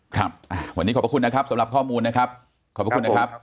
ครับวันนี้ขอบพระคุณนะครับสำหรับข้อมูลนะครับขอบพระคุณนะครับ